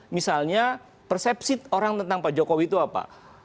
misalnya persepsi orang tentang pak jokowi itu apa